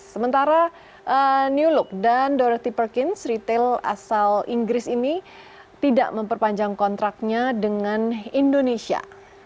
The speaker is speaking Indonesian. sementara new look dan dorati perkins retail asal inggris ini tidak memperpanjang kontraknya dengan indonesia